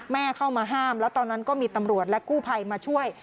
เข้ามาห้ามแล้วตอนนั้นก็มีตำรวจและกู้ภัยมาช่วย